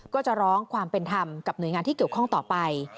ก็จะร้องความเป็นธรรมกับหน่วยงานที่เกี่ยวข้องต่อไป